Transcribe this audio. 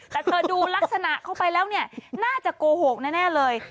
แต่เธอดูลักษณะเข้าไปแล้วเนี่ยน่าจะโกหกแน่เลย